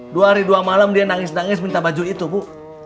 dua hari dua malam dia nangis nangis minta baju itu bu